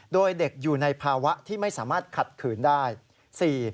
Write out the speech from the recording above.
โดยเด็กอยู่ในภาวะที่ไม่สามารถขัดขืนได้